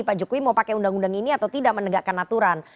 pak jokowi mau pakai undang undang ini atau tidak menegakkan aturan